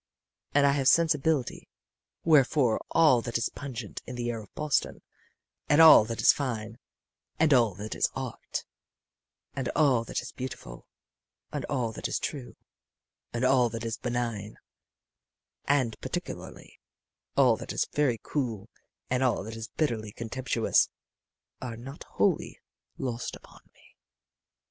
And I have sensibility wherefore all that is pungent in the air of Boston, and all that is fine, and all that is art, and all that is beautiful, and all that is true, and all that is benign, and particularly all that is very cool and all that is bitterly contemptuous are not wholly lost upon me.